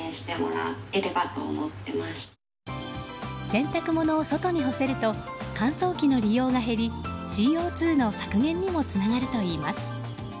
洗濯物を外に干せると乾燥機の利用が減りＣＯ２の削減にもつながるといいます。